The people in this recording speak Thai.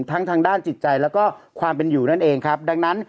ทางด้านจิตใจแล้วก็ความเป็นอยู่นั่นเองครับดังนั้น